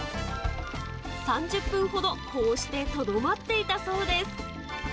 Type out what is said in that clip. ３０分ほど、こうしてとどまっていたそうです。